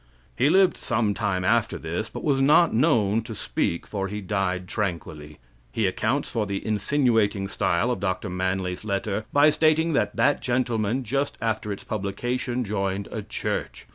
He lived some time after this, but was not known to speak, for he died tranquilly. He accounts for the insinuating style of Dr. Manly's letter by stating that that gentleman, just after its publication, joined a church.